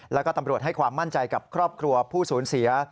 แล้วก็ตำรวจให้ความมั่นใจกับครอบครัวผู้สูญเสีย